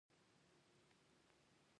ازادي راډیو د روغتیا د ستونزو رېښه بیان کړې.